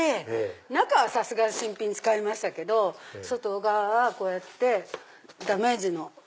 中はさすがに新品使いましたけど外側はこうやってダメージの。